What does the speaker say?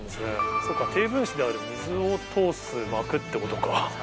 そうか低分子である水を通す膜ってことか。